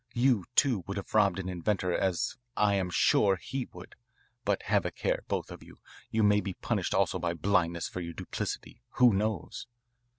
You, too, would have robbed an inventor as I am sure he would. But have a care, both of you. You may be punished also by blindness for your duplicity. Who knows?"